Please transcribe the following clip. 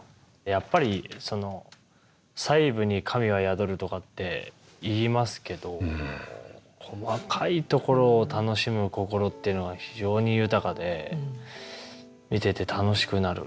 やっぱり細部に神は宿るとかっていいますけど細かいところを楽しむ心っていうのが非常に豊かで見てて楽しくなる。